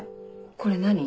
これ何？